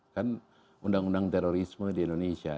kan undang undang terorisme di indonesia